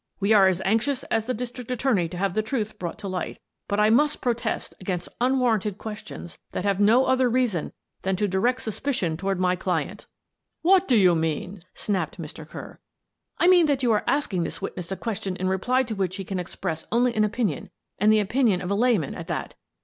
We are as anxious as the district attorney to have the truth brought to light, but I must protest against unwarranted questions that have no other reason than to direct suspicion toward my client." The Inquest 173 " What do you mean ?" snapped Mr. Kerr. " I mean that you are asking this witness a ques tion in reply to which he can express only an opin ion, and the opinion of a layman at that.